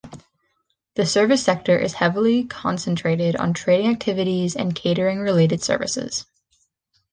The service sector is heavily concentrated on trading activities and catering-related services.